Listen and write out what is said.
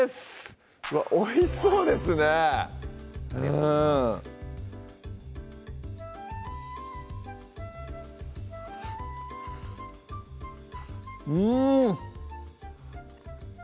うわっおいしそうですねぇうんうん！